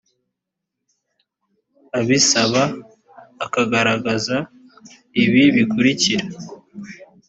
abisaba akagaragaza ibi bikurikira: